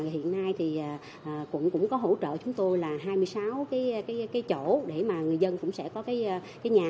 hiện nay quận cũng có hỗ trợ chúng tôi là hai mươi sáu chỗ để người dân cũng sẽ có nhà